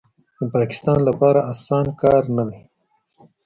د پاکستان لپاره اسانه کار نه دی